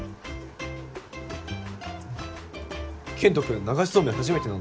健人君流しそうめん初めてなんだって。